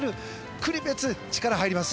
国別、力入ります！